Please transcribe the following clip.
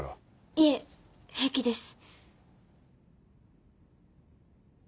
いえ平気です。